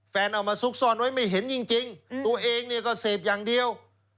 เอามาซุกซ่อนไว้ไม่เห็นจริงตัวเองเนี่ยก็เสพอย่างเดียว